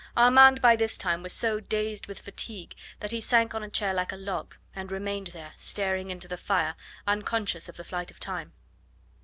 Armand by this time was so dazed with fatigue that he sank on a chair like a log, and remained there staring into the fire, unconscious of the flight of time.